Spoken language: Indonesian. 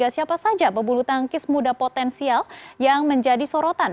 siapa saja pebulu tangkis muda potensial yang menjadi sorotan